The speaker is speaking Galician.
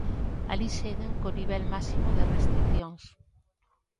Alí seguen co nivel máximo de restricións.